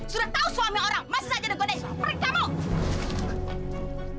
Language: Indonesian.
sudah tahu suami orang masih saja udah godeh